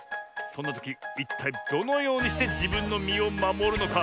そんなときいったいどのようにしてじぶんのみをまもるのか。